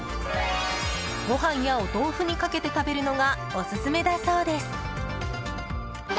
ご飯やお豆腐にかけて食べるのがオススメだそうです。